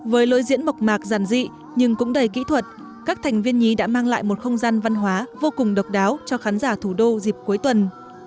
với lối diễn mộc mạc giản dị nhưng cũng đầy kỹ thuật các thành viên nhí đã mang lại một không gian văn hóa vô cùng độc đáo cho khán giả thủ đô dịp cuối tuần